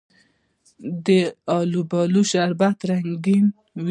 د الوبالو شربت رنګین وي.